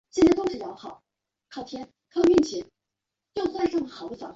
二十四年升为焉耆府。